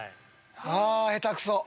あ下手くそ。